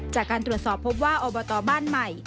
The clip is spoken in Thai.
จากการตรวจสอบพบว่าอบตบ้านใหม่